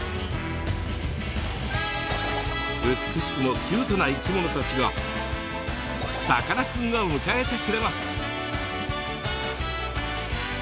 美しくもキュートな生き物たちがさかなクンを迎えてくれます。